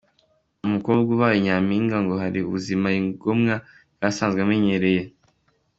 Umukobwa ubaye Nyampinga ngo hari ubuzima yigomwa yari asanzwe amenyereye.